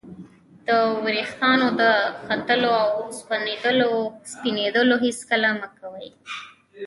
د ورېښتانو د ختلو او سپینېدلو پوښتنه هېڅکله مه کوئ!